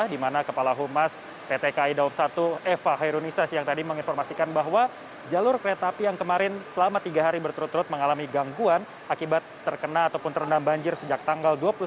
di mana kepala humas pt kai daerah operasional satu eva hairunisa siang tadi menginformasikan bahwa jalur kereta api yang kemarin selama tiga hari berturut turut mengalami gampang